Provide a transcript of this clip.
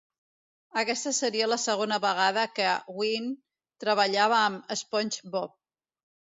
Aquesta seria la segona vegada que Ween treballava amb SpongeBob.